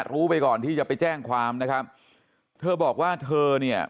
รู้ไปก่อนที่จะไปแจ้งความนะครับเธอบอกว่าเธอเนี่ย